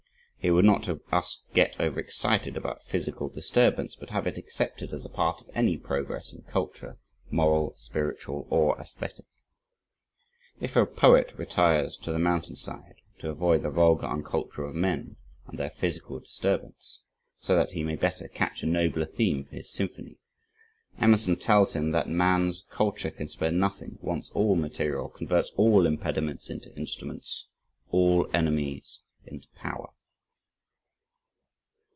He would not have us get over excited about physical disturbance but have it accepted as a part of any progress in culture, moral, spiritual or aesthetic. If a poet retires to the mountain side, to avoid the vulgar unculture of men, and their physical disturbance, so that he may better catch a nobler theme for his symphony, Emerson tells him that "man's culture can spare nothing, wants all material, converts all impediments into instruments, all enemies into power."